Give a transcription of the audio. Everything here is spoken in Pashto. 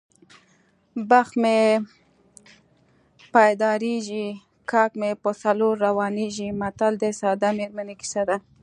بخت مې پیدارېږي کاک مې په څلور روانېږي متل د ساده میرمنې کیسه ده